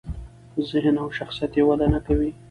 ذهن او شخصیت یې وده نکوي.